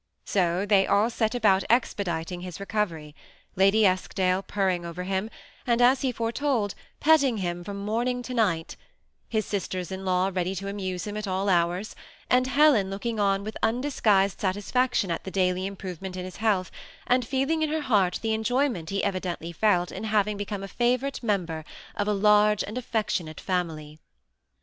So they all set about expediting his recovery, Lady Eskdale purring over him, and, as he foretold, petting him from morning to night ; his sisters in law ready to amuse him at all hours, and Helen looking on with undisguised satisfac tion at the daily improvement in his health, and feeling to her heart the enjoyment he evidently felt in having become a favorite member of a large and affectionate family.